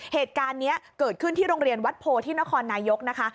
เหตุการณ์นี้เกิดขึ้นที่โรงเรียนวัดโพที่นครนายกนะคะ